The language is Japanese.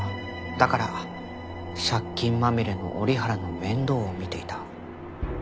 だから借金まみれの折原の面倒を見ていた。